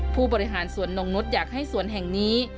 ผู้บริหารสวนนงนุษย์อยากให้สวนแห่งนี้